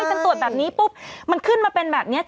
ฉันตรวจแบบนี้ปุ๊บมันขึ้นมาเป็นแบบนี้